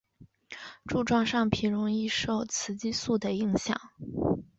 柱状上皮容易受雌激素的影响。